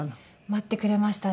待ってくれましたね。